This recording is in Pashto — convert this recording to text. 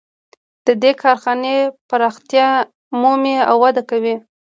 د دې کارخانې پراختیا مومي او وده کوي